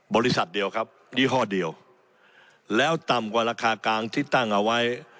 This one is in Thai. บริษัทเดียวครับยี่ห้อเดียวแล้วต่ำกว่าราคากลางที่ตั้งเอาไว้